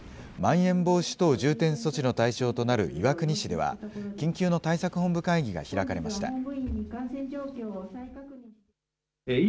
まん延防止等重点措置の対象となる岩国市では、緊急の対策本部会議が開かれました。